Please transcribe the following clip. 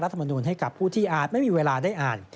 มนุนให้กับผู้ที่อาจไม่มีเวลาได้อ่าน